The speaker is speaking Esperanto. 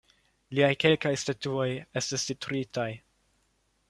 Liaj kelkaj statuoj estis detruitaj.